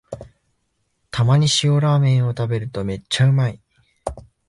たまに塩ラーメンを食べるとめっちゃうまい